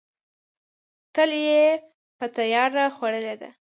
تل یې په تیاره خوړلې ده.